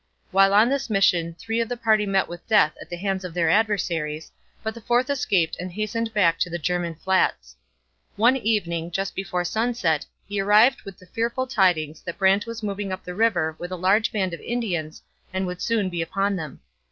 While on this mission three of the party met with death at the hands of their adversaries, but the fourth escaped and hastened back to the German Flatts. One evening, just before sunset, he arrived with the fearful tidings that Brant was moving up the river with a large band of Indians and would soon be upon them.